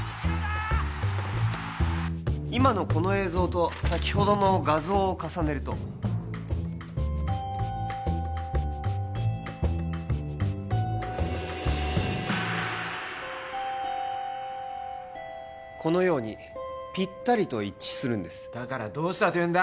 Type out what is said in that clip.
今のこの映像と先ほどの画像を重ねるとこのようにぴったりと一致するんですだからどうしたというんだ！？